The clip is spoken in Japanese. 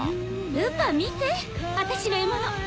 ルパン見て私の獲物。